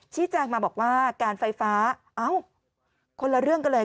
ชี้แจงมาบอกว่าการไฟฟ้าเอ้าคนละเรื่องกันเลย